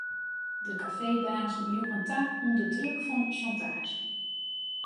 De kafeebazen joegen ta ûnder druk fan sjantaazje.